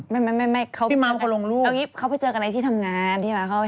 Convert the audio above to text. ไม่เขาไปเจอกันในที่ทำงานพี่มามเขาไปทำงานแล้วก็เจอกัน